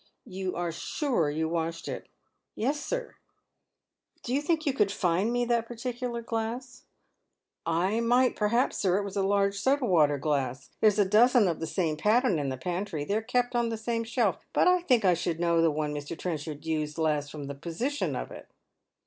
" You are sure you washed it ?"« Yes, sir." " Do you think you conid find me that particular glass ?" "I might perhaps, sir. It was a large soda water glass. There's a dozen of the same pattern in the pantry. They're kept on tlu) same shelf ; but I think I should know the one ilr. Trenchard used last from the position of it."